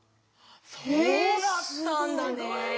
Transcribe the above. そうだったんだね。